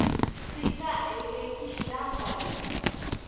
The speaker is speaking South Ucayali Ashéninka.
¿Tzika ejeki shirampari?